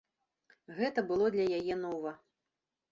Гэта было для яе нова.